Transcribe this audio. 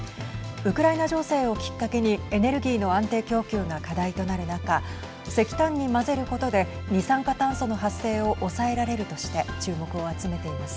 ウクライナ情勢をきっかけにエネルギーの安定供給が課題となる中石炭に混ぜることで二酸化炭素の発生を抑えられるとして注目を集めています。